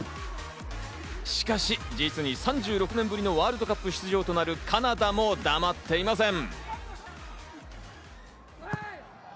しかし実に３６年ぶりのワールドカップ出場となるカナダも黙っていません。